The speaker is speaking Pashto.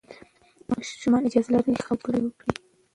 ماشومان اجازه لري خبرې وکړي.